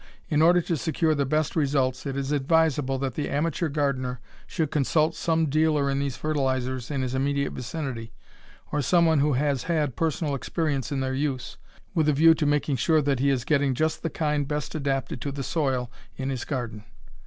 In order to secure the best results it is advisable that the amateur gardener should consult some dealer in these fertilizers in his immediate vicinity, or some one who has had personal experience in their use, with a view to making sure that he is getting just the kind best adapted to the soil in his garden.